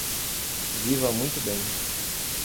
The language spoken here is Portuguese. Viva muito bem